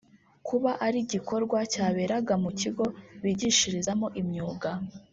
kuba ari igikorwa cyaberaga mu kigo bigishirizamo imyuga